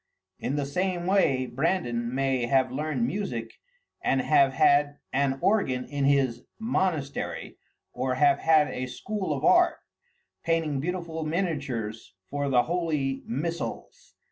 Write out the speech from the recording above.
In the same way Brandan may have learned music and have had an organ in his monastery, or have had a school of art, painting beautiful miniatures for the holy missals.